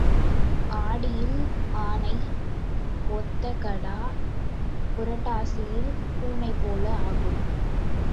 ஆடியில் ஆனை ஒத்த கடா, புரட்டாசியில் பூனைபோல ஆகும்.